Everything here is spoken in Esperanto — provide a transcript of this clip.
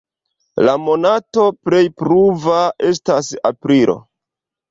La monato plej pluva estas aprilo.